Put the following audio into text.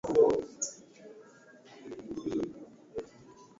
Haikuchukuwa mud asana hadi alipoona jina la Alberto Kito akasoma namba ya nyumba